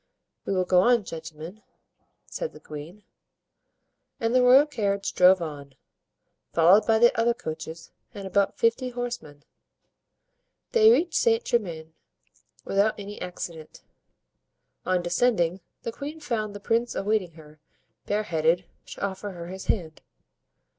"We will go on, gentlemen," said the queen. And the royal carriage drove on, followed by the other coaches and about fifty horsemen. They reached Saint German without any accident; on descending, the queen found the prince awaiting her, bare headed, to offer her his hand.